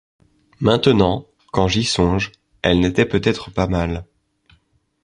Maintenant, quand j’y songe, elle n’était peut-être pas mal.